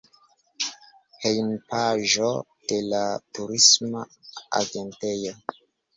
Hejmpaĝo de la turisma agentejo.